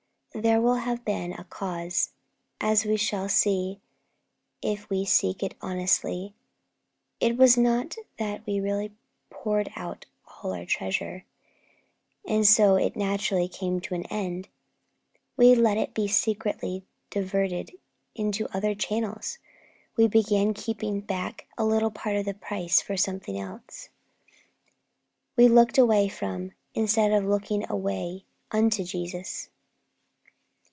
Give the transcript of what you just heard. There will have been a cause, as we shall see if we seek it honestly. It was not that we really poured out all our treasure, and so it naturally came to an end. We let it be secretly diverted into other channels. We began keeping back a little part of the price for something else. We looked away from, instead of looking away unto Jesus.